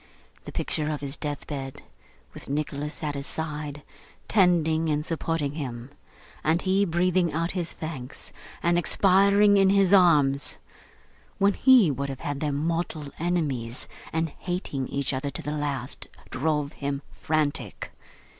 The picture of his deathbed, with Nicholas at his side, tending and supporting him, and he breathing out his thanks, and expiring in his arms, when he would have had them mortal enemies and hating each other to the last, drove him frantic.